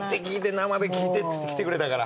生で聞いてっつって来てくれたから。